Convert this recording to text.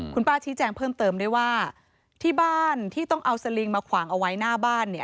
คุณป้าชี้แจงเพิ่มเติมด้วยว่าที่บ้านที่ต้องเอาสลิงมาขวางเอาไว้หน้าบ้านเนี่ย